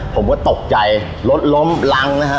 ผมก็ตกใจรถล้มรังนะฮะ